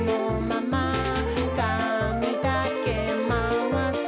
「かみだけまわす」